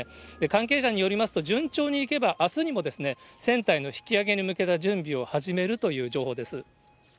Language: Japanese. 関係者によりますと、順調にいけば、あすにも船体の引き揚げに向けた準備を始めるという情報です。